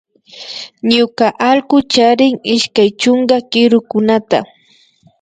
Ñuka allku charin ishkay chunka kirukunata